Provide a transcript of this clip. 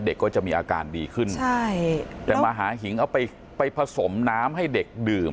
ก็จะมีอาการดีขึ้นใช่แต่มหาหิงเอาไปไปผสมน้ำให้เด็กดื่ม